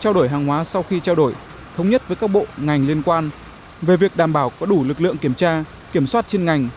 trao đổi hàng hóa sau khi trao đổi thống nhất với các bộ ngành liên quan về việc đảm bảo có đủ lực lượng kiểm tra kiểm soát trên ngành